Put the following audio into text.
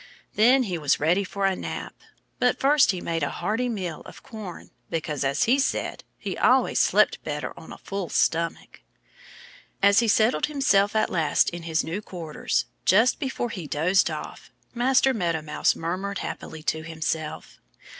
Then he was ready for a nap. But first he made a hearty meal of corn because as he said he always slept better on a full stomach. As he settled himself at last in his new quarters, just before he dozed off Master Meadow Mouse murmured happily to himself.